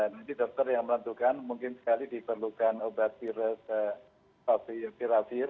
nanti dokter yang melakukan mungkin sekali diperlukan obat viravir atau viravir